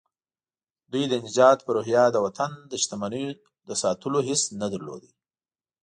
دوی د نجات په روحيه د وطن د شتمنيو د ساتلو حس نه درلود.